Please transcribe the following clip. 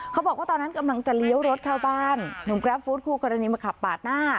เขาบอกว่าตอนนั้นกำลังจะเลี้ยวรถเข้าบ้านหนุ่มกราฟฟู้ดคู่กรณีมาขับปาดหน้า